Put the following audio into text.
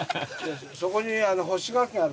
そこに。